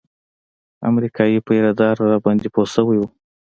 امريکايي پيره دار راباندې پوه سوى و.